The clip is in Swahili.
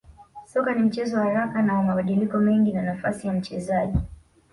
Soka ni mchezo wa haraka na wa mabadiliko mengi na nafasi ya mchezaji